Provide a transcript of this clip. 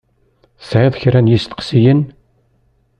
Tesεiḍ kra n yisteqsiyen?